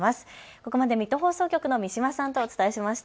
ここまで水戸放送局の三島さんとお伝えしました。